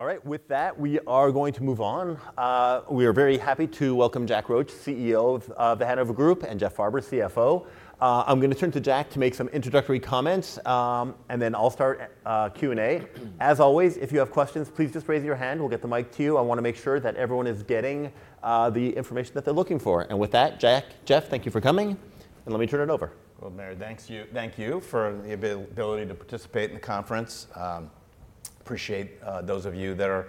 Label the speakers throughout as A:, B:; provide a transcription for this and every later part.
A: All right, with that, we are going to move on. We are very happy to welcome Jack Roche, CEO of the Hanover Group, and Jeff Farber, CFO. I'm going to turn to Jack to make some introductory comments, and then I'll start Q&A. As always, if you have questions, please just raise your hand, we'll get the mic to you. I want to make sure that everyone is getting the information that they're looking for. And with that, Jack, Jeff, thank you for coming, and let me turn it over.
B: Well, Meyer, thank you. Thank you for the availability to participate in the conference. Appreciate those of you that are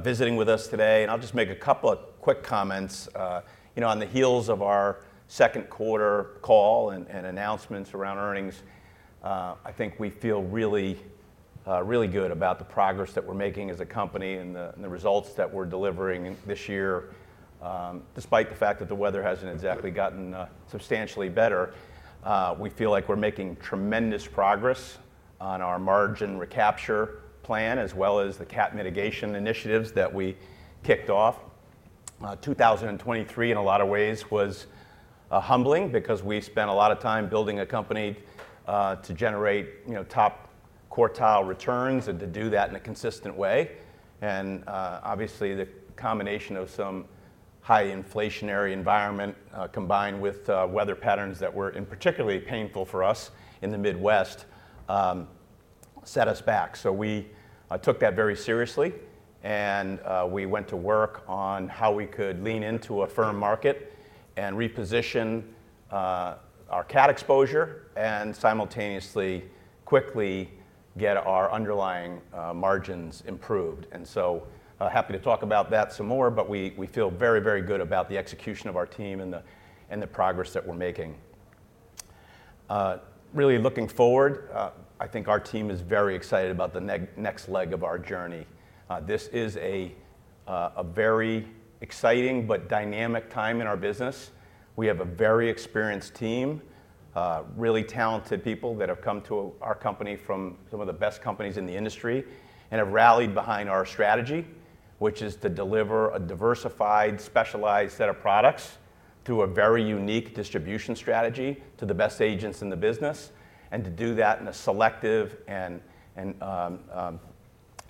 B: visiting with us today, and I'll just make a couple of quick comments. You know, on the heels of our second quarter call and announcements around earnings, I think we feel really good about the progress that we're making as a company and the results that we're delivering this year. Despite the fact that the weather hasn't exactly gotten substantially better, we feel like we're making tremendous progress on our margin recapture plan, as well as the cat mitigation initiatives that we kicked off. 2023, in a lot of ways, was humbling because we spent a lot of time building a company to generate, you know, top quartile returns and to do that in a consistent way. Obviously, the combination of some high inflationary environment combined with weather patterns that were particularly painful for us in the Midwest set us back. We took that very seriously, and we went to work on how we could lean into a firm market and reposition our cat exposure and simultaneously quickly get our underlying margins improved. Happy to talk about that some more, but we feel very, very good about the execution of our team and the progress that we're making. Really looking forward, I think our team is very excited about the next leg of our journey. This is a very exciting but dynamic time in our business. We have a very experienced team, really talented people that have come to our company from some of the best companies in the industry and have rallied behind our strategy, which is to deliver a diversified, specialized set of products through a very unique distribution strategy to the best agents in the business, and to do that in a selective and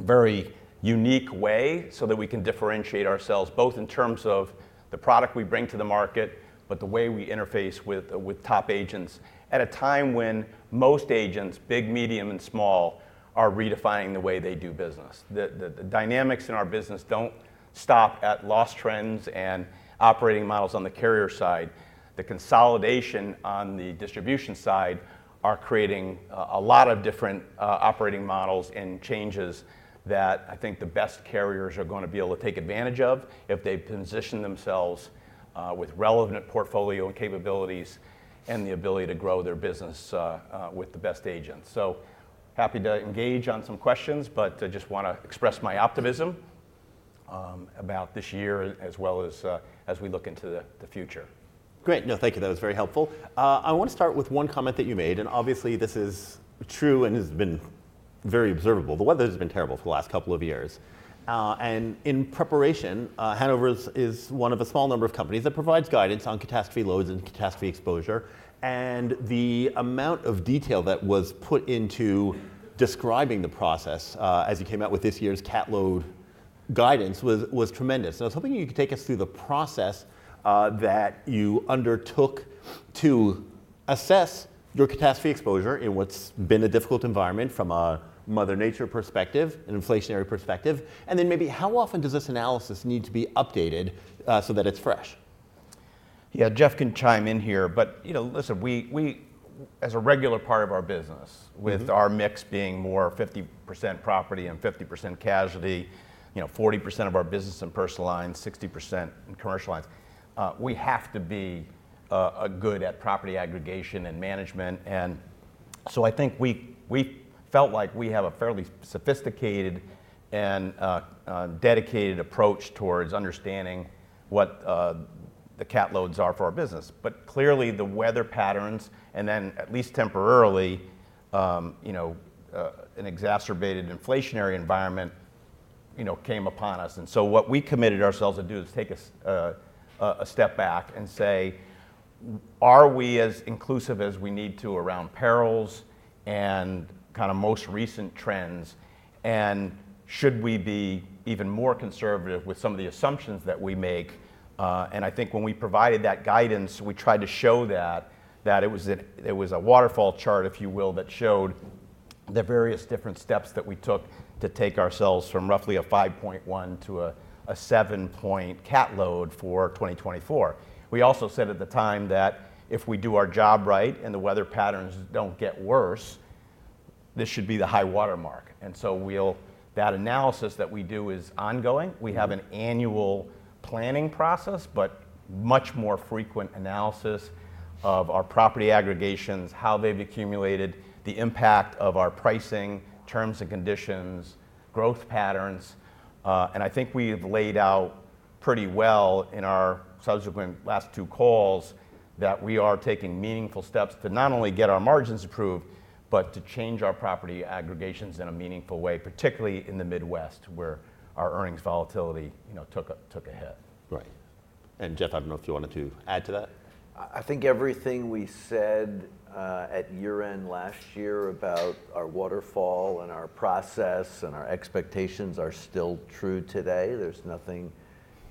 B: very unique way, so that we can differentiate ourselves, both in terms of the product we bring to the market, but the way we interface with top agents. At a time when most agents, big, medium, and small, are redefining the way they do business. The dynamics in our business don't stop at loss trends and operating models on the carrier side. The consolidation on the distribution side are creating a lot of different operating models and changes that I think the best carriers are going to be able to take advantage of if they position themselves with relevant portfolio and capabilities and the ability to grow their business with the best agents. So happy to engage on some questions, but just want to express my optimism about this year, as well as as we look into the future.
A: Great. No, thank you. That was very helpful. I want to start with one comment that you made, and obviously, this is true and has been very observable. The weather has been terrible for the last couple of years. And in preparation, Hanover is one of a small number of companies that provides guidance on catastrophe loads and catastrophe exposure. And the amount of detail that was put into describing the process, as you came out with this year's cat load guidance was tremendous. So something you could take us through the process, that you undertook to assess your catastrophe exposure in what's been a difficult environment from a Mother Nature perspective and inflationary perspective. And then maybe how often does this analysis need to be updated, so that it's fresh?
B: Yeah, Jeff can chime in here, but, you know, listen, we as a regular part of our business-
A: Mm-hmm.
B: With our mix being more 50% property and 50% casualty, you know, 40% of our business in Personal Lines, 60% in Commercial Lines, we have to be a good at property aggregation and management. And so I think we felt like we have a fairly sophisticated and dedicated approach towards understanding what the cat loads are for our business. But clearly, the weather patterns and then at least temporarily, you know, an exacerbated inflationary environment, you know, came upon us. And so what we committed ourselves to do is take a step back and say, "Are we as inclusive as we need to around perils and kind of most recent trends, and should we be even more conservative with some of the assumptions that we make?" And I think when we provided that guidance, we tried to show that it was a waterfall chart, if you will, that showed the various different steps that we took to take ourselves from roughly a 5.1 to a seven-point cat load for 2024. We also said at the time that if we do our job right and the weather patterns don't get worse, this should be the high watermark. That analysis that we do is ongoing.
A: Mm-hmm.
B: We have an annual planning process, but much more frequent analysis of our property aggregations, how they've accumulated, the impact of our pricing, terms and conditions, growth patterns. And I think we've laid out pretty well in our subsequent last two calls, that we are taking meaningful steps to not only get our margins approved, but to change our property aggregations in a meaningful way, particularly in the Midwest, where our earnings volatility, you know, took a hit.
A: Right... and Jeff, I don't know if you wanted to add to that?
C: I think everything we said at year-end last year about our waterfall, and our process, and our expectations are still true today. There's nothing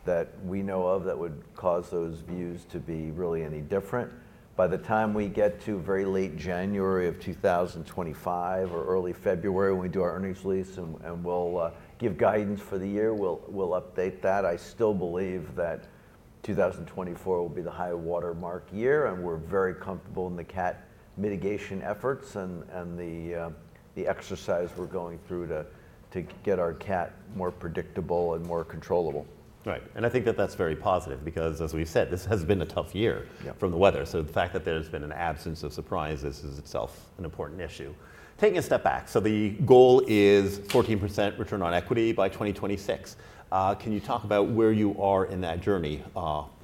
C: that we know of that would cause those views to be really any different. By the time we get to very late January of 2025 or early February, when we do our earnings release, and we'll give guidance for the year, we'll update that. I still believe that 2024 will be the high watermark year, and we're very comfortable in the cat mitigation efforts and the exercise we're going through to get our cat more predictable and more controllable.
A: Right, and I think that that's very positive because as we've said, this has been a tough year-
C: Yeah...
A: from the weather. So the fact that there's been an absence of surprises is itself an important issue. Taking a step back, so the goal is 14% return on equity by 2026. Can you talk about where you are in that journey,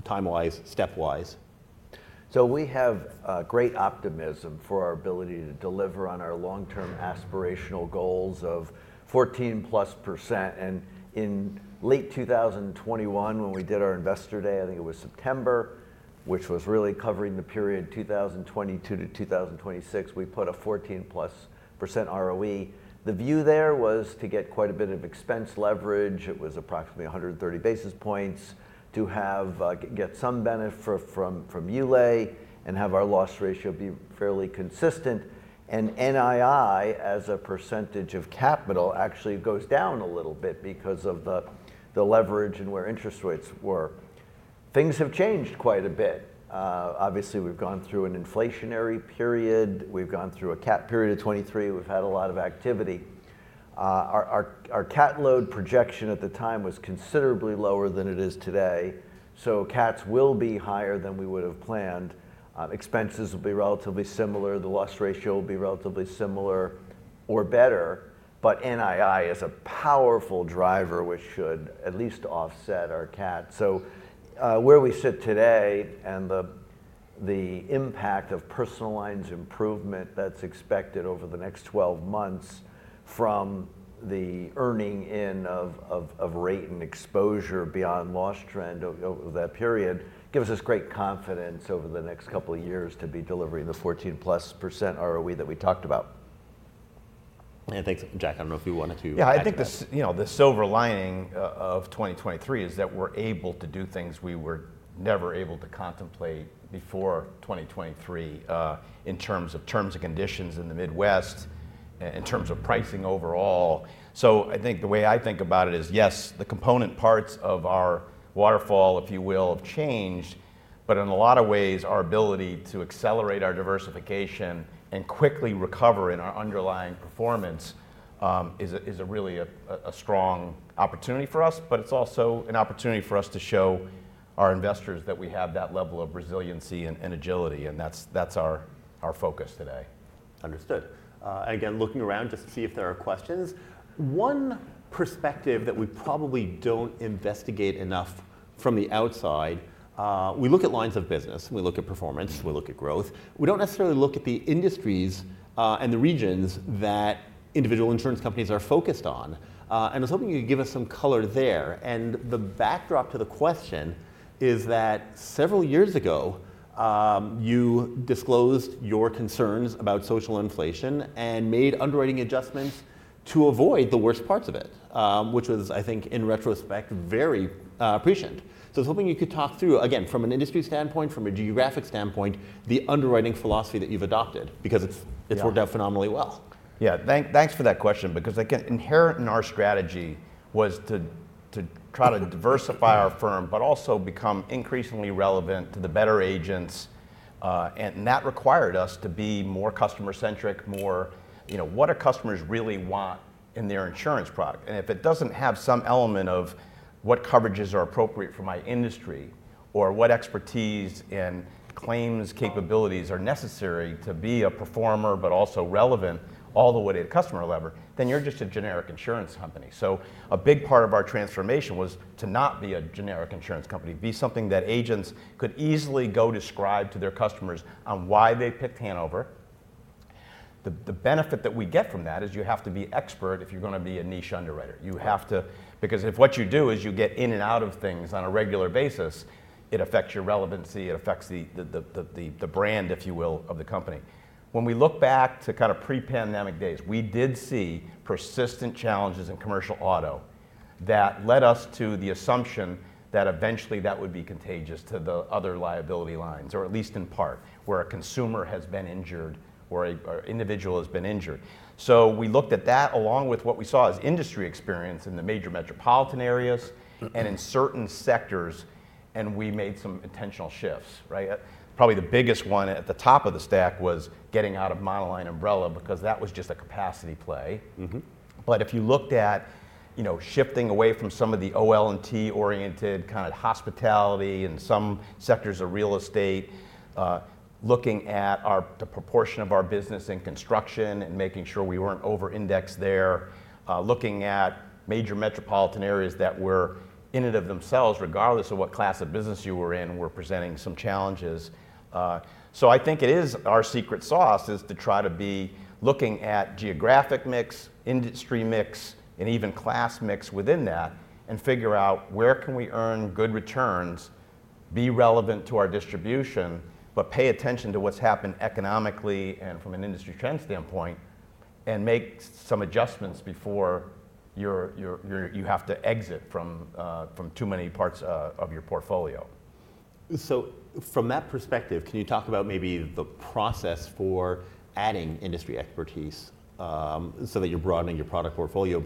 A: time wise, step wise?
C: So we have great optimism for our ability to deliver on our long-term aspirational goals of 14%. And in late 2021, when we did our Investor Day, I think it was September, which was really covering the period 2022 to 2026, we put a 14% ROE. The view there was to get quite a bit of expense leverage. It was approximately 130 basis points. To get some benefit from ULAE and have our loss ratio be fairly consistent, and NII, as a percentage of capital, actually goes down a little bit because of the leverage and where interest rates were. Things have changed quite a bit. Obviously, we've gone through an inflationary period. We've gone through a cat period of 2023. We've had a lot of activity. Our cat load projection at the time was considerably lower than it is today, so cats will be higher than we would have planned. Expenses will be relatively similar, the loss ratio will be relatively similar or better, but NII is a powerful driver, which should at least offset our cat. So, where we sit today and the impact of Personal Lines improvement that's expected over the next 12 months from the earning in of rate and exposure beyond loss trend over that period, gives us great confidence over the next couple of years to be delivering the 14%+ ROE that we talked about.
A: Thanks. Jack, I don't know if you wanted to add to that.
B: Yeah, I think the silver lining of 2023 is that we're able to do things we were never able to contemplate before 2023 in terms of terms and conditions in the Midwest, in terms of pricing overall. So I think the way I think about it is, yes, the component parts of our waterfall, if you will, have changed, but in a lot of ways, our ability to accelerate our diversification and quickly recover in our underlying performance is really a strong opportunity for us. But it's also an opportunity for us to show our investors that we have that level of resiliency and agility, and that's our focus today.
A: Understood. And again, looking around just to see if there are questions. One perspective that we probably don't investigate enough from the outside, we look at lines of business, we look at performance-
B: Mm-hmm.
A: We look at growth. We don't necessarily look at the industries, and the regions that individual insurance companies are focused on. And I was hoping you could give us some color there. And the backdrop to the question is that several years ago, you disclosed your concerns about social inflation and made underwriting adjustments to avoid the worst parts of it, which was, I think, in retrospect, very appreciated. So I was hoping you could talk through, again, from an industry standpoint, from a geographic standpoint, the underwriting philosophy that you've adopted, because it's-
B: Yeah...
A: it's worked out phenomenally well.
B: Yeah, thanks for that question, because, again, inherent in our strategy was to try to diversify our firm, but also become increasingly relevant to the better agents, and that required us to be more customer-centric, more, you know, what do customers really want in their insurance product? And if it doesn't have some element of what coverages are appropriate for my industry, or what expertise and claims capabilities are necessary to be a performer, but also relevant all the way to the customer level, then you're just a generic insurance company, so a big part of our transformation was to not be a generic insurance company, be something that agents could easily go describe to their customers on why they picked Hanover. The benefit that we get from that is you have to be expert if you're gonna be a niche underwriter. You have to-
A: Right...
B: because if what you do is you get in and out of things on a regular basis, it affects your relevancy, it affects the brand, if you will, of the company. When we look back to kind of pre-pandemic days, we did see persistent challenges in commercial auto that led us to the assumption that eventually that would be contagious to the other liability lines, or at least in part, where a consumer has been injured or an individual has been injured. So we looked at that, along with what we saw as industry experience in the major metropolitan areas.
A: Mm...
B: and in certain sectors, and we made some intentional shifts, right? Probably the biggest one at the top of the stack was getting out of monoline umbrella because that was just a capacity play.
A: Mm-hmm.
B: But if you looked at, you know, shifting away from some of the OL&T-oriented kind of hospitality and some sectors of real estate, looking at our, the proportion of our business in construction and making sure we weren't over indexed there. Looking at major metropolitan areas that were in and of themselves, regardless of what class of business you were in, were presenting some challenges. So I think it is our secret sauce, is to try to be looking at geographic mix, industry mix, and even class mix within that, and figure out where can we earn good returns... be relevant to our distribution, but pay attention to what's happened economically and from an industry trend standpoint, and make some adjustments before you have to exit from too many parts of your portfolio.
A: So from that perspective, can you talk about maybe the process for adding industry expertise, so that you're broadening your product portfolio,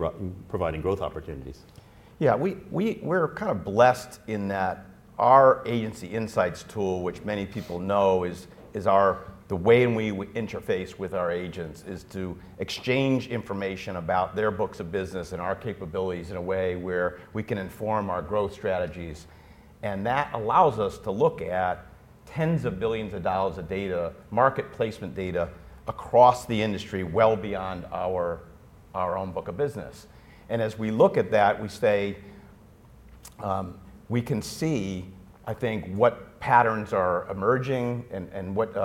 A: providing growth opportunities?
B: Yeah, we're kind of blessed in that our Agency Insights tool, which many people know, is our the way we interface with our agents, is to exchange information about their books of business and our capabilities in a way where we can inform our growth strategies. And that allows us to look at tens of billions of dollars of data, market placement data, across the industry, well beyond our own book of business. And as we look at that, we say, we can see, I think, what patterns are emerging and what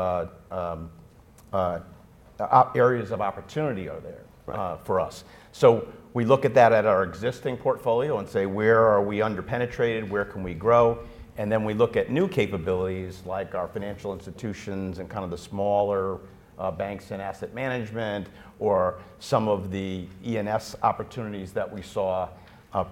B: areas of opportunity are there.
A: Right...
B: for us. So we look at that at our existing portfolio and say: Where are we under-penetrated? Where can we grow? And then we look at new capabilities like our financial institutions and kind of the smaller, banks and asset management, or some of the E&S opportunities that we saw,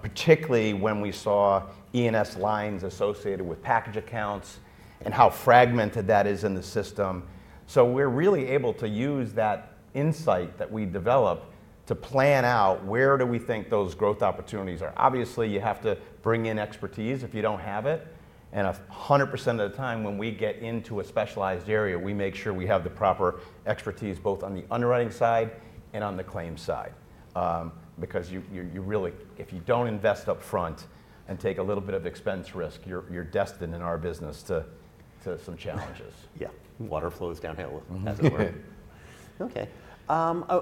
B: particularly when we saw E&S lines associated with package accounts and how fragmented that is in the system. So we're really able to use that insight that we develop to plan out where do we think those growth opportunities are. Obviously, you have to bring in expertise if you don't have it, and 100% of the time when we get into a specialized area, we make sure we have the proper expertise, both on the underwriting side and on the claims side. Because you really, if you don't invest upfront and take a little bit of expense risk, you're destined in our business to some challenges.
A: Yeah.
B: Water flows downhill-
A: Mm-hmm....
B: as it were.
A: Okay,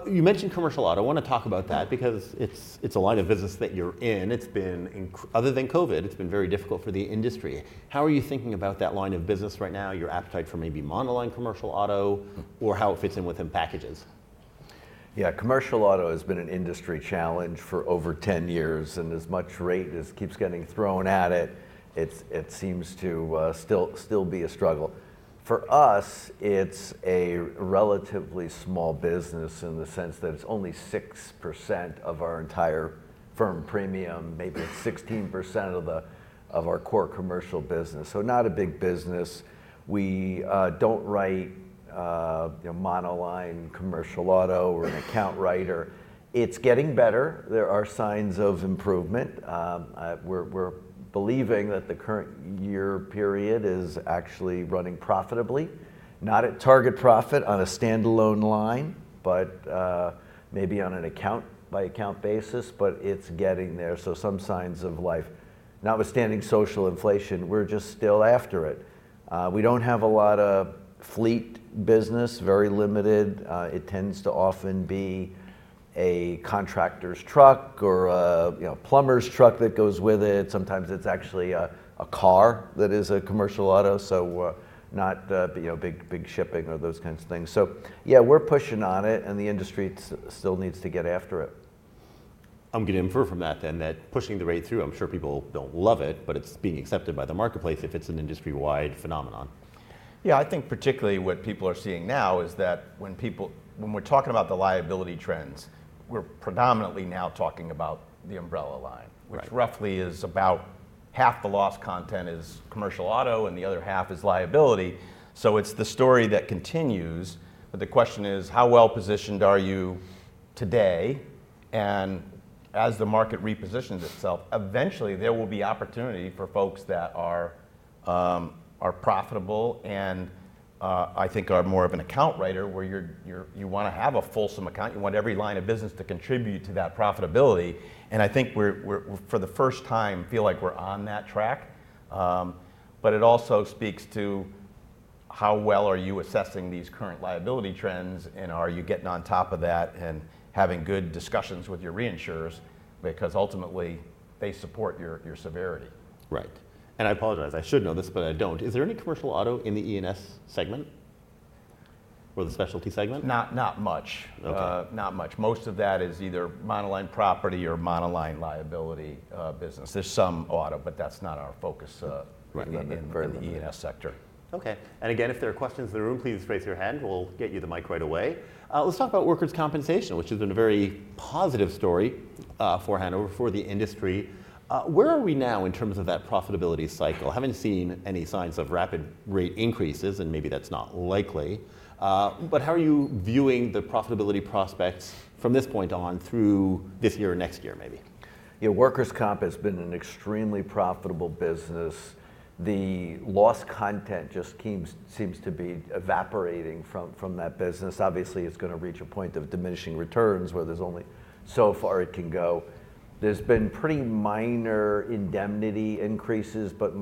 A: you mentioned commercial auto. I want to talk about that because it's, it's a line of business that you're in. It's been other than COVID, it's been very difficult for the industry. How are you thinking about that line of business right now, your appetite for maybe monoline commercial auto or how it fits in within packages?
C: Yeah, commercial auto has been an industry challenge for over 10 years, and as much rate as keeps getting thrown at it, it's, it seems to still be a struggle. For us, it's a relatively small business in the sense that it's only 6% of our entire earned premium, maybe 16% of our core Commercial business, so not a big business. We don't write monoline commercial auto or an account writer. It's getting better. There are signs of improvement. We're believing that the current year period is actually running profitably. Not at target profit on a standalone line, but maybe on an account by account basis, but it's getting there, so some signs of life. Notwithstanding social inflation, we're just still after it. We don't have a lot of fleet business, very limited. It tends to often be a contractor's truck or a, you know, plumber's truck that goes with it. Sometimes it's actually a car that is a commercial auto, so, not, you know, big, big shipping or those kinds of things. So yeah, we're pushing on it, and the industry still needs to get after it.
A: I'm going to infer from that then, that pushing the rate through, I'm sure people don't love it, but it's being accepted by the marketplace if it's an industry-wide phenomenon.
B: Yeah, I think particularly what people are seeing now is that when we're talking about the liability trends, we're predominantly now talking about the umbrella line.
A: Right.
B: Which roughly is about half the lost content is commercial auto, and the other half is liability. So it's the story that continues, but the question is: How well-positioned are you today? And as the market repositions itself, eventually there will be opportunity for folks that are profitable and I think are more of an account writer, where you want to have a fulsome account. You want every line of business to contribute to that profitability, and I think we're for the first time feel like we're on that track. But it also speaks to how well are you assessing these current liability trends, and are you getting on top of that and having good discussions with your reinsurers? Because ultimately, they support your severity.
A: Right. And I apologize, I should know this, but I don't. Is there any commercial auto in the E&S segment or the Specialty segment?
B: Not much.
A: Okay.
B: Not much. Most of that is either monoline property or monoline liability, business. There's some auto, but that's not our focus.
A: Right.
B: In the E&S sector.
A: Okay, and again, if there are questions in the room, please raise your hand. We'll get you the mic right away. Let's talk about workers' compensation, which has been a very positive story, for Hanover, for the industry. Where are we now in terms of that profitability cycle? Haven't seen any signs of rapid rate increases, and maybe that's not likely, but how are you viewing the profitability prospects from this point on through this year or next year, maybe?
C: Yeah, workers' comp has been an extremely profitable business. The loss content just keeps, seems to be evaporating from that business. Obviously, it's going to reach a point of diminishing returns, where there's only so far it can go. There's been pretty minor indemnity increases, but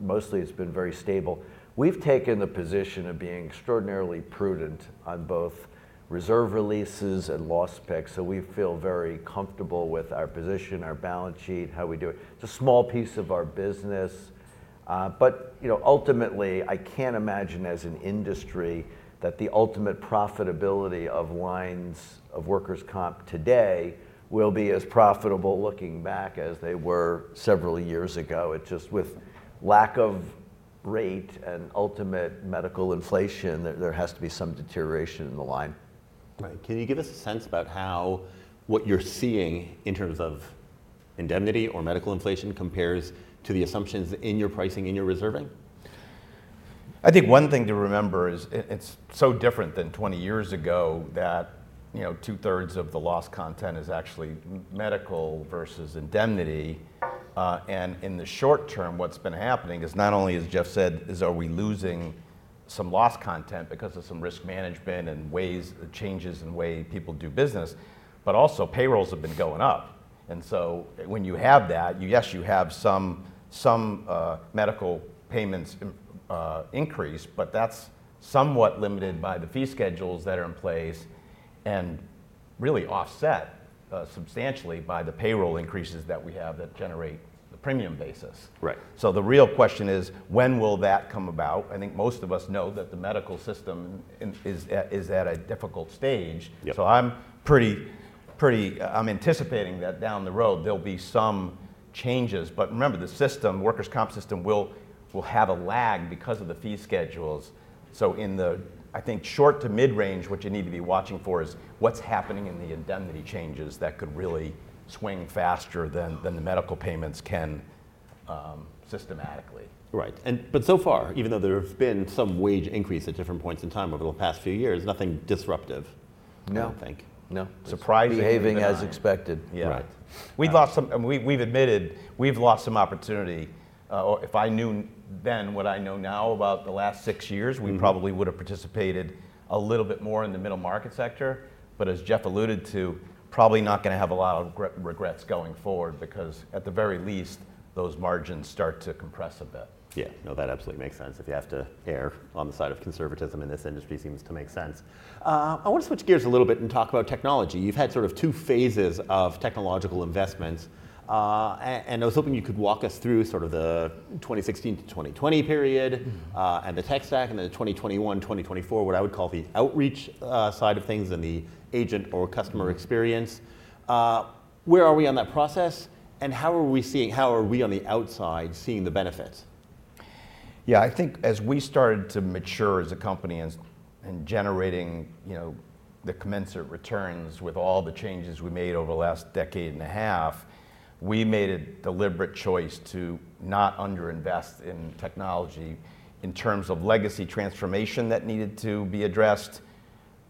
C: mostly it's been very stable. We've taken the position of being extraordinarily prudent on both reserve releases and loss picks, so we feel very comfortable with our position, our balance sheet, how we do it. It's a small piece of our business, but you know, ultimately, I can't imagine as an industry that the ultimate profitability of lines of workers' comp today, will be as profitable looking back as they were several years ago. It's just with lack of rate and ultimate medical inflation, there has to be some deterioration in the line.
A: Right. Can you give us a sense about how, what you're seeing in terms of indemnity or medical inflation compares to the assumptions in your pricing, in your reserving?
B: I think one thing to remember is, it's so different than 20 years ago, that, you know, 2/3 of the loss content is actually medical versus indemnity. And in the short term, what's been happening is not only, as Jeff said, are we losing some loss content because of some risk management and changes in the way people do business, but also payrolls have been going up. And so when you have that, yes, you have some medical payments increase, but that's somewhat limited by the fee schedules that are in place, and really offset substantially by the payroll increases that we have that generate the premium basis.
A: Right.
B: So the real question is, when will that come about? I think most of us know that the medical system is at a difficult stage.
A: Yep.
B: So I'm pretty. I'm anticipating that down the road there'll be some changes. But remember, the system, workers' comp system will have a lag because of the fee schedules. So in the, I think, short to mid-range, what you need to be watching for is what's happening in the indemnity changes that could really swing faster than the medical payments can, systematically.
A: Right. But so far, even though there have been some wage increase at different points in time over the past few years, nothing disruptive-
B: No.
A: I don't think.
B: No.
A: Surprising.
B: Behaving as expected.
A: Yeah.
B: Right. And we've admitted we've lost some opportunity. If I knew then what I know now about the last six years-
A: Mm.
B: We probably would have participated a little bit more in the middle market sector. But as Jeff alluded to, probably not going to have a lot of regrets going forward, because at the very least, those margins start to compress a bit.
A: Yeah. No, that absolutely makes sense. If you have to err on the side of conservatism, and this industry seems to make sense. I want to switch gears a little bit and talk about technology. You've had sort of two phases of technological investments. And I was hoping you could walk us through sort of the 2016 to 2020 period-
B: Mm.
A: and the tech stack, and then the 2021, 2024, what I would call the outreach side of things, and the agent or customer experience.
B: Mm.
A: Where are we on that process, and how are we on the outside seeing the benefits?
B: Yeah, I think as we started to mature as a company and generating, you know, the commensurate returns with all the changes we made over the last decade and a half, we made a deliberate choice to not under invest in technology in terms of legacy transformation that needed to be addressed,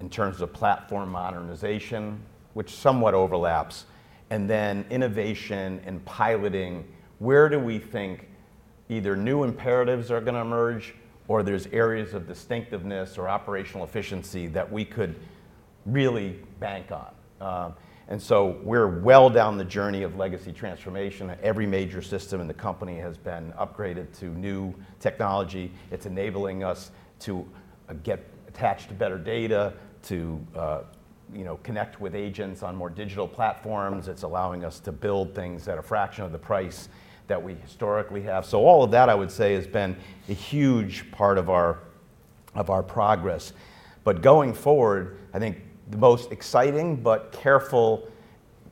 B: in terms of platform modernization, which somewhat overlaps, and then innovation and piloting, where do we think either new imperatives are going to emerge, or there's areas of distinctiveness or operational efficiency that we could really bank on? And so we're well down the journey of legacy transformation. Every major system in the company has been upgraded to new technology. It's enabling us to get attached to better data, to you know, connect with agents on more digital platforms. It's allowing us to build things at a fraction of the price that we historically have. So all of that, I would say, has been a huge part of our progress. But going forward, I think the most exciting but careful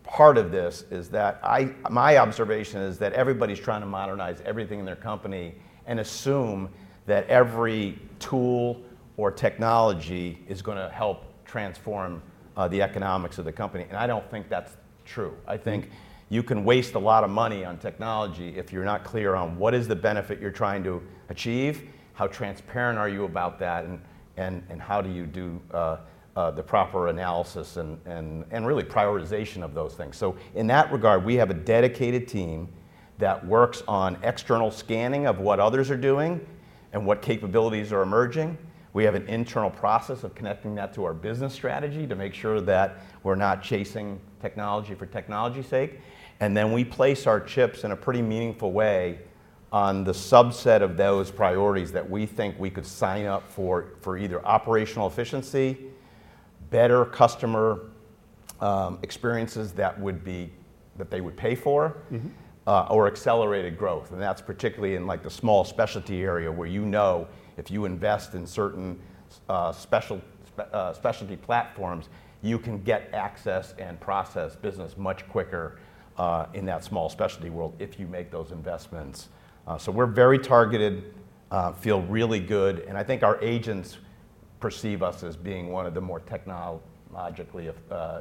B: part of this is that, I, my observation is that everybody's trying to modernize everything in their company and assume that every tool or technology is gonna help transform the economics of the company. And I don't think that's true. I think you can waste a lot of money on technology if you're not clear on what is the benefit you're trying to achieve? How transparent are you about that? And how do you do the proper analysis and really prioritization of those things. So in that regard, we have a dedicated team that works on external scanning of what others are doing and what capabilities are emerging. We have an internal process of connecting that to our business strategy, to make sure that we're not chasing technology for technology's sake. And then we place our chips in a pretty meaningful way on the subset of those priorities that we think we could sign up for, for either operational efficiency, better customer experiences that they would pay for-
A: Mm-hmm.
B: or accelerated growth. And that's particularly in, like, the small Specialty area, where you know, if you invest in certain Specialty platforms, you can get access and process business much quicker, in that small Specialty world, if you make those investments. So we're very targeted, feel really good, and I think our agents perceive us as being one of the more technologically,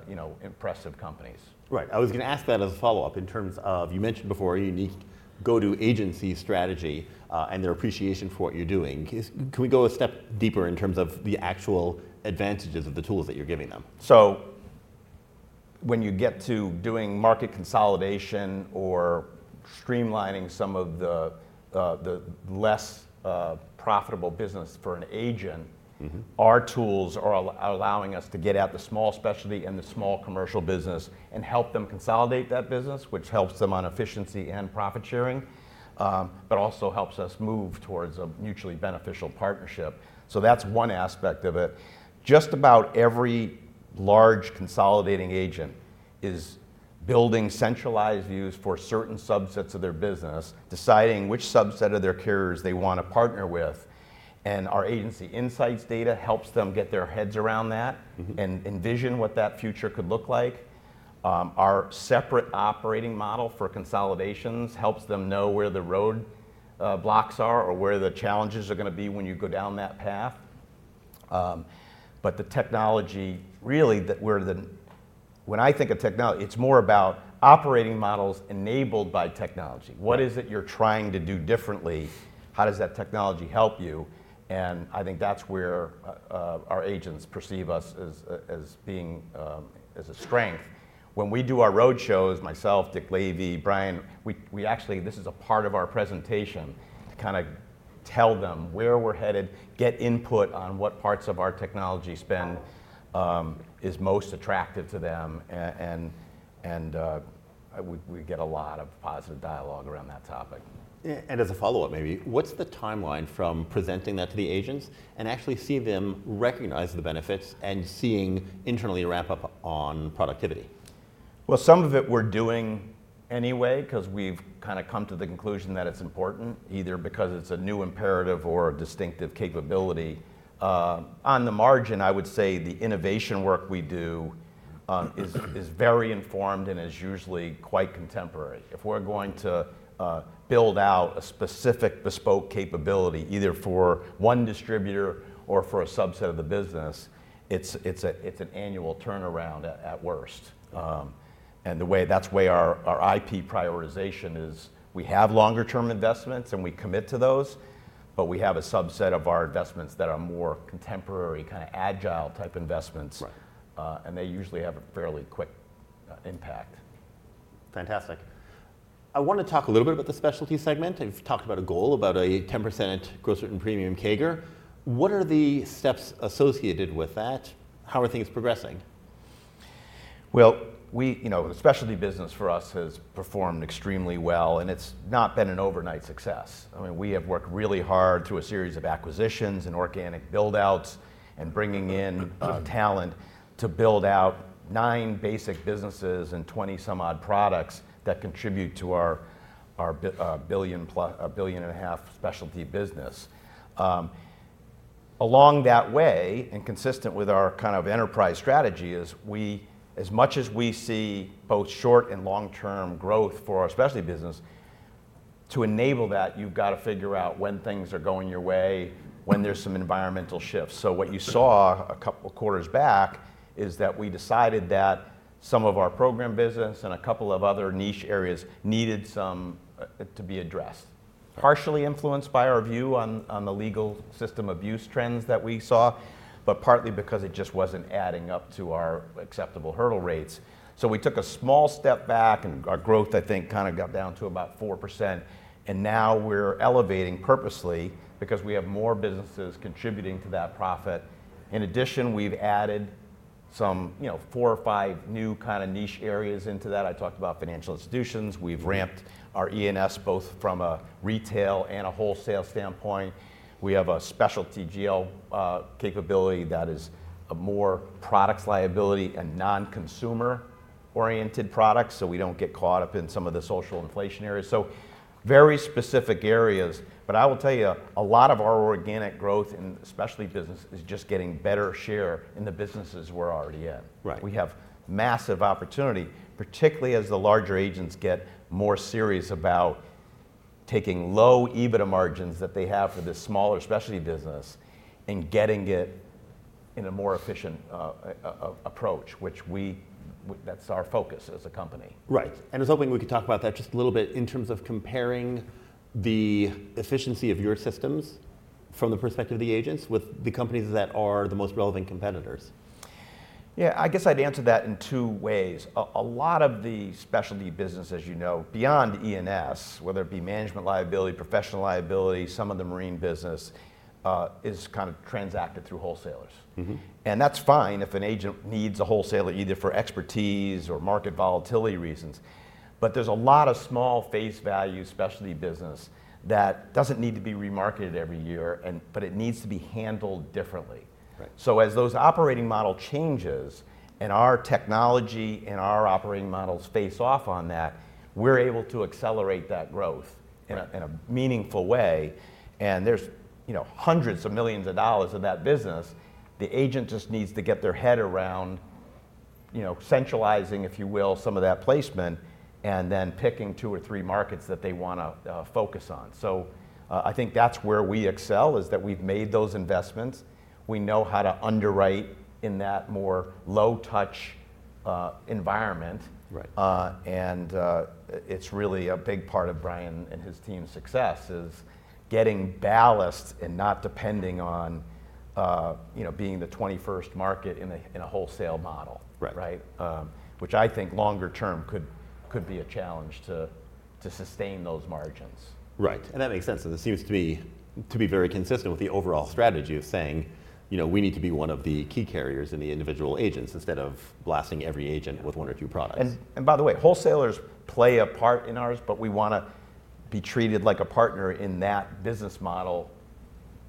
B: you know, impressive companies.
A: Right. I was gonna ask that as a follow-up in terms of, you mentioned before, your go-to agency strategy, and their appreciation for what you're doing. Can we go a step deeper in terms of the actual advantages of the tools that you're giving them?
B: So when you get to doing market consolidation or streamlining some of the less profitable business for an agent-
A: Mm-hmm.
B: Our tools are allowing us to get at the small Specialty and the small Commercial business and help them consolidate that business, which helps them on efficiency and profit sharing, but also helps us move towards a mutually beneficial partnership. So that's one aspect of it. Just about every large consolidating agent is building centralized views for certain subsets of their business, deciding which subset of their carriers they want to partner with, and our Agency Insights data helps them get their heads around that.
A: Mm-hmm.
B: And envision what that future could look like. Our separate operating model for consolidations helps them know where the road blocks are or where the challenges are going to be when you go down that path. But the technology, really, when I think of technology, it's more about operating models enabled by technology. What is it you're trying to do differently? How does that technology help you? And I think that's where our agents perceive us as being a strength. When we do our road shows, myself, Dick Lavey, Bryan, we actually. This is a part of our presentation, to kind of tell them where we're headed, get input on what parts of our technology spend is most attractive to them, and we get a lot of positive dialogue around that topic.
A: Yeah, and as a follow-up, maybe, what's the timeline from presenting that to the agents and actually see them recognize the benefits and seeing internally ramp up on productivity?
B: Some of it we're doing anyway, because we've kind of come to the conclusion that it's important, either because it's a new imperative or a distinctive capability. On the margin, I would say the innovation work we do is very informed and is usually quite contemporary. If we're going to build out a specific bespoke capability, either for one distributor or for a subset of the business, it's an annual turnaround at worst. And that's the way our IP prioritization is, we have longer term investments, and we commit to those, but we have a subset of our investments that are more contemporary, kind of agile type investments.
A: Right.
B: And they usually have a fairly quick impact.
A: Fantastic. I want to talk a little bit about the Specialty segment. You've talked about a goal, about a 10% gross written premium CAGR. What are the steps associated with that? How are things progressing?
B: We, you know, the Specialty business for us has performed extremely well, and it's not been an overnight success. I mean, we have worked really hard through a series of acquisitions and organic build-outs and bringing in talent, to build out nine basic businesses and 20 some odd products that contribute to our $1.5 billion Specialty business. Along that way, and consistent with our kind of enterprise strategy, as much as we see both short and long-term growth for our Specialty business, to enable that, you've got to figure out when things are going your way, when there's some environmental shifts. What you saw a couple of quarters back is that we decided that some of our program business and a couple of other niche areas needed some to be addressed. Partially influenced by our view on the legal system abuse trends that we saw, but partly because it just wasn't adding up to our acceptable hurdle rates, so we took a small step back, and our growth, I think, kind of got down to about 4%, and now we're elevating purposely because we have more businesses contributing to that profit. In addition, we've added some, you know, four or five new kind of niche areas into that. I talked about financial institutions.
A: Mm.
B: We've ramped our E&S, both from a retail and a wholesale standpoint. We have a Specialty GL capability that is a more products liability and non-consumer oriented products, so we don't get caught up in some of the social inflation areas, so very specific areas. But I will tell you, a lot of our organic growth in the Specialty business is just getting better share in the businesses we're already in.
A: Right.
B: We have massive opportunity, particularly as the larger agents get more serious about taking low EBITDA margins that they have for the smaller Specialty business and getting it in a more efficient approach, which we, that's our focus as a company.
A: Right. And I was hoping we could talk about that just a little bit in terms of comparing the efficiency of your systems from the perspective of the agents with the companies that are the most relevant competitors.
B: Yeah, I guess I'd answer that in two ways. A, a lot of the Specialty businesses, as you know, beyond E&S, whether it be management liability, professional liability, some of the marine business, is kind of transacted through wholesalers.
A: Mm-hmm.
B: That's fine if an agent needs a wholesaler, either for expertise or market volatility reasons. But there's a lot of small face value, Specialty business, that doesn't need to be remarketed every year, but it needs to be handled differently.
A: Right.
B: So as those operating model changes and our technology and our operating models face off on that, we're able to accelerate that growth-
A: Right...
B: in a meaningful way, and there's, you know, hundreds of millions of dollars in that business. The agent just needs to get their head around, you know, centralizing, if you will, some of that placement, and then picking two or three markets that they want to focus on, so I think that's where we excel, is that we've made those investments, we know how to underwrite in that more low touch environment.
A: Right.
B: And it's really a big part of Bryan and his team's success, is getting ballast and not depending on, you know, being the 21st market in a wholesale model.
A: Right.
B: Right? Which I think longer term could be a challenge to sustain those margins.
A: Right. And that makes sense, and it seems to be very consistent with the overall strategy of saying, "You know, we need to be one of the key carriers in the individual agents, instead of blasting every agent with one or two products.
B: By the way, wholesalers play a part in ours, but we want to be treated like a partner in that business model,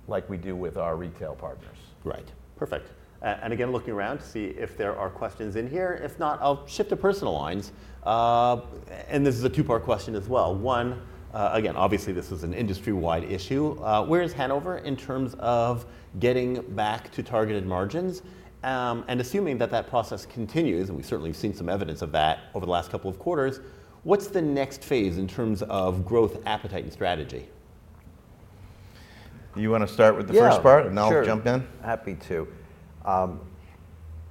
B: like we do with our retail partners.
A: Right, perfect, and again, looking around to see if there are questions in here. If not, I'll shift to Personal Lines, and this is a two-part question as well. One, again, obviously, this is an industry-wide issue. Where is Hanover in terms of getting back to targeted margins, and assuming that that process continues, and we've certainly seen some evidence of that over the last couple of quarters, what's the next phase in terms of growth, appetite, and strategy?
B: You want to start with the first part-
C: Yeah.
B: and I'll jump in?
C: Sure, happy to.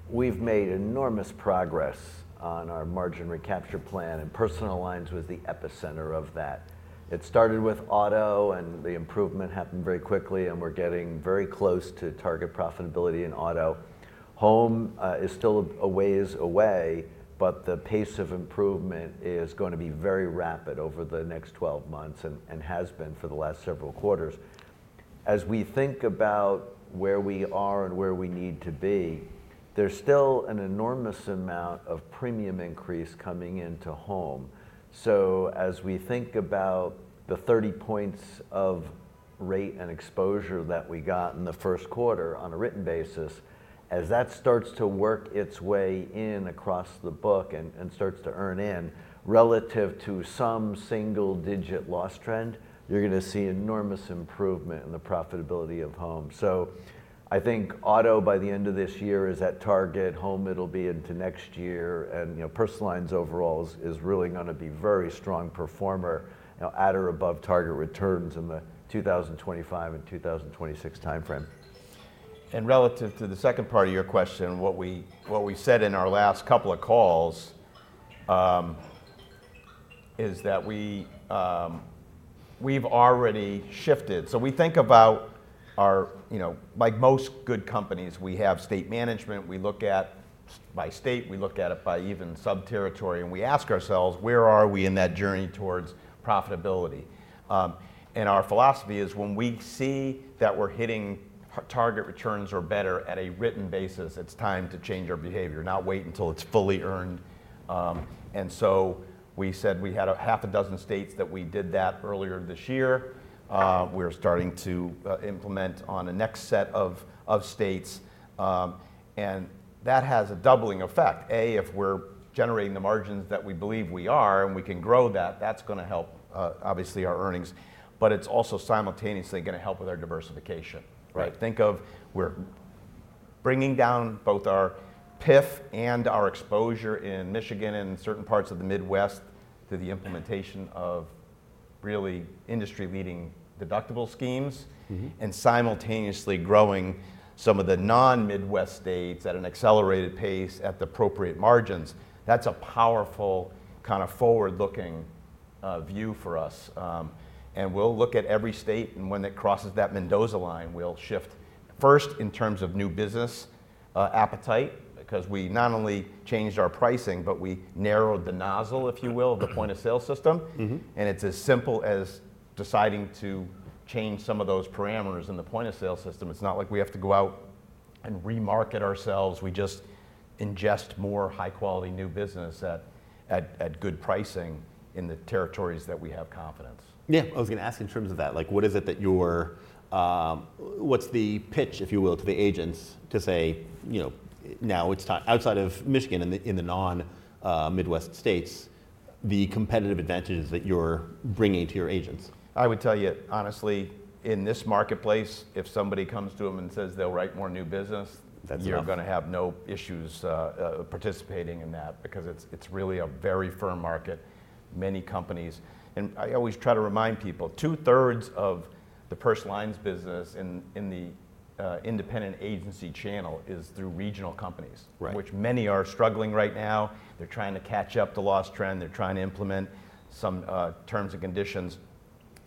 C: We've made enormous progress on our margin recapture plan, and Personal Lines was the epicenter of that. It started with auto, and the improvement happened very quickly, and we're getting very close to target profitability in auto. Home is still a ways away, but the pace of improvement is going to be very rapid over the next twelve months and has been for the last several quarters. As we think about where we are and where we need to be, there's still an enormous amount of premium increase coming into home. As we think about the 30 points of rate and exposure that we got in the first quarter on a written basis, as that starts to work its way in across the book and starts to earn in relative to some single-digit loss trend, you're gonna see enormous improvement in the profitability of home. I think auto, by the end of this year, is at target. Home, it'll be into next year, and, you know, Personal Lines overall is really gonna be very strong performer, you know, at or above target returns in the 2025 and 2026 timeframe.
B: Relative to the second part of your question, what we said in our last couple of calls is that we've already shifted, so we think about our... You know, like most good companies, we have state management. We look at by state, we look at it by even sub-territory, and we ask ourselves, where are we in that journey towards profitability? Our philosophy is when we see that we're hitting target returns or better at a written basis, it's time to change our behavior, not wait until it's fully earned, and so we said we had six states that we did that earlier this year. We're starting to implement on the next set of states, and that has a doubling effect. If we're generating the margins that we believe we are, and we can grow that, that's gonna help, obviously, our earnings, but it's also simultaneously gonna help with our diversification.
A: Right.
B: Think of, we're bringing down both our PIF and our exposure in Michigan and in certain parts of the Midwest to the implementation of really industry-leading deductible schemes-
A: Mm-hmm.
B: -and simultaneously growing some of the non-Midwest states at an accelerated pace at the appropriate margins. That's a powerful, kind of, forward-looking, view for us. And we'll look at every state, and when it crosses that Mendoza line, we'll shift first in terms of new business, appetite, because we not only changed our pricing, but we narrowed the nozzle, if you will, the point of sale system.
A: Mm-hmm.
B: It's as simple as deciding to change some of those parameters in the point of sale system. It's not like we have to go out and re-market ourselves. We just ingest more high quality new business at good pricing in the territories that we have confidence.
A: Yeah, I was gonna ask in terms of that, like, what is it that you're... What's the pitch, if you will, to the agents to say, you know, now it's time, outside of Michigan, in the non-Midwest states, the competitive advantages that you're bringing to your agents?
B: I would tell you, honestly, in this marketplace, if somebody comes to him and says they'll write more new business-
A: That's enough...
B: you're gonna have no issues participating in that because it's really a very firm market. Many companies and I always try to remind people, 2/3 of the Personal Lines business in the independent agency channel is through regional companies.
A: Right.
B: Which many are struggling right now. They're trying to catch up the loss trend, they're trying to implement some terms and conditions,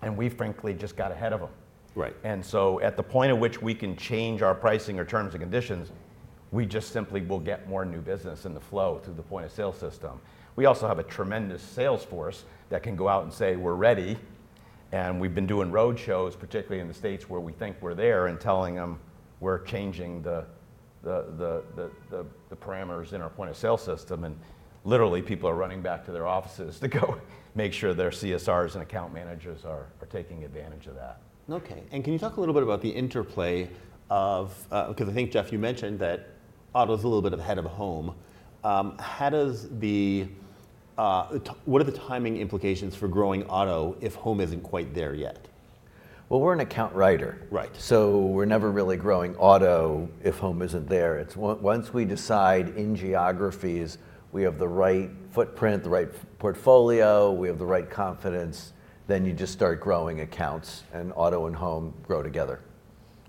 B: and we frankly just got ahead of them.
A: Right.
B: And so at the point at which we can change our pricing or terms and conditions, we just simply will get more new business in the flow through the point of sale system. We also have a tremendous sales force that can go out and say, "We're ready," and we've been doing road shows, particularly in the states where we think we're there, and telling them we're changing the parameters in our point of sale system, and literally, people are running back to their offices to go make sure their CSRs and account managers are taking advantage of that.
A: Okay, and can you talk a little bit about the interplay of... Because I think, Jeff, you mentioned that auto's a little bit ahead of home. How does the... what are the timing implications for growing auto if home isn't quite there yet?
C: We're an account writer.
A: Right.
C: We're never really growing auto if home isn't there. It's only once we decide in geographies, we have the right footprint, the right portfolio, we have the right confidence, then you just start growing accounts, and auto and home grow together.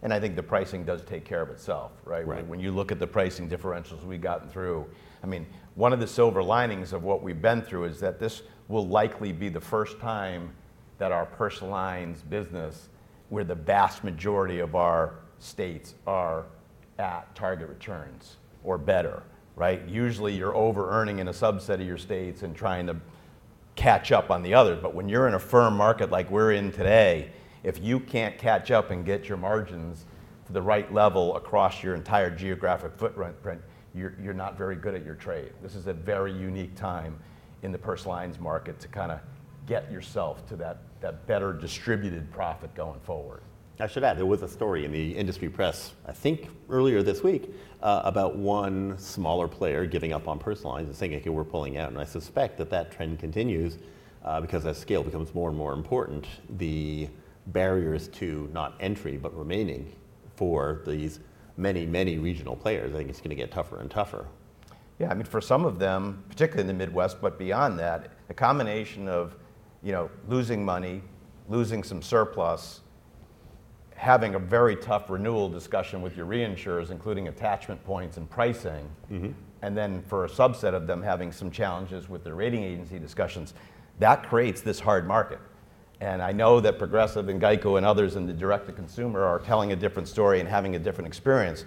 B: I think the pricing does take care of itself, right?
A: Right.
B: When you look at the pricing differentials we've gotten through... I mean, one of the silver linings of what we've been through is that this will likely be the first time that our Personal Lines business, where the vast majority of our states are at target returns or better, right? Usually, you're over-earning in a subset of your states and trying to catch up on the other, but when you're in a firm market like we're in today, if you can't catch up and get your margins-... to the right level across your entire geographic footprint, you're not very good at your trade. This is a very unique time in the Personal Lines market to kind of get yourself to that better distributed profit going forward.
A: I should add, there was a story in the industry press, I think earlier this week, about one smaller player giving up on Personal Lines and saying, "Okay, we're pulling out." And I suspect that that trend continues, because as scale becomes more and more important, the barriers to not entry, but remaining for these many, many regional players, I think it's going to get tougher and tougher.
B: Yeah, I mean, for some of them, particularly in the Midwest, but beyond that, the combination of, you know, losing money, losing some surplus, having a very tough renewal discussion with your reinsurers, including attachment points and pricing-
A: Mm-hmm.
B: -and then for a subset of them, having some challenges with the rating agency discussions, that creates this hard market. And I know that Progressive and GEICO and others in the direct-to-consumer are telling a different story and having a different experience,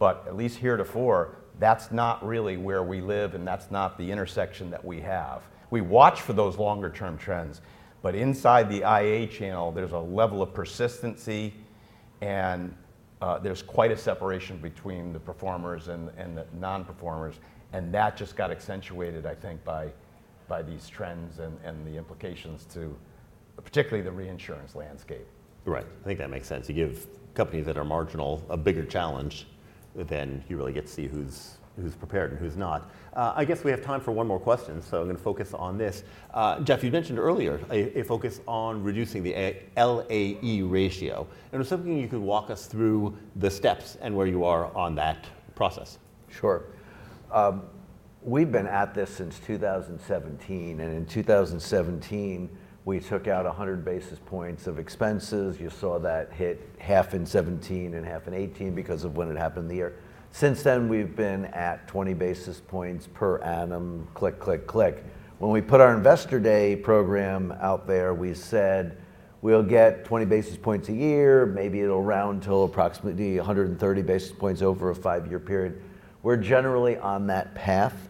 B: but at least heretofore, that's not really where we live, and that's not the intersection that we have. We watch for those longer term trends, but inside the IA channel, there's a level of persistency, and there's quite a separation between the performers and the non-performers, and that just got accentuated, I think, by these trends and the implications to particularly the reinsurance landscape.
A: Right. I think that makes sense. You give companies that are marginal a bigger challenge, then you really get to see who's prepared and who's not. I guess we have time for one more question, so I'm going to focus on this. Jeff, you mentioned earlier a focus on reducing the LAE ratio, and there's something you could walk us through the steps and where you are on that process?
C: Sure. We've been at this since 2017, and in 2017, we took out 100 basis points of expenses. You saw that hit half in 2017 and half in 2018 because of when it happened the year. Since then, we've been at 20 basis points per annum, click, click, click. When we put our Investor Day program out there, we said, "We'll get 20 basis points a year. Maybe it'll round till approximately 130 basis points over a five-year period." We're generally on that path.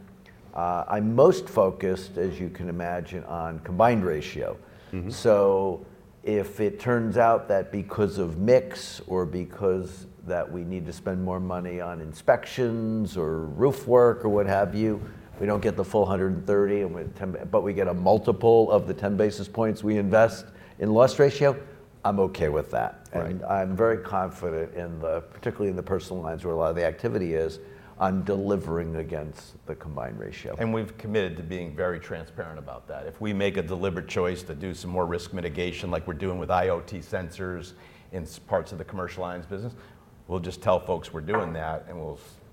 C: I'm most focused, as you can imagine, on combined ratio.
A: Mm-hmm.
C: If it turns out that because of mix or because that we need to spend more money on inspections or roof work or what have you, we don't get the full hundred and 30, but we get a multiple of the 10 basis points we invest in loss ratio, I'm okay with that.
A: Right.
C: I’m very confident in the... particularly in the Personal Lines, where a lot of the activity is on delivering against the combined ratio.
B: We've committed to being very transparent about that. If we make a deliberate choice to do some more risk mitigation, like we're doing with IoT sensors in some parts of the Commercial Lines business, we'll just tell folks we're doing that, and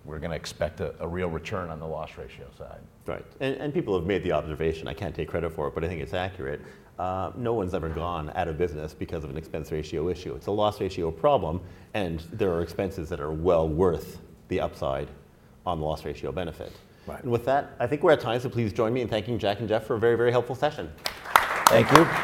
B: we're going to expect a real return on the loss ratio side.
A: Right. And people have made the observation, I can't take credit for it, but I think it's accurate. No one's ever gone out of business because of an expense ratio issue. It's a loss ratio problem, and there are expenses that are well worth the upside on the loss ratio benefit.
C: Right.
A: With that, I think we're out of time, so please join me in thanking Jack and Jeff for a very, very helpful session.
B: Thank you.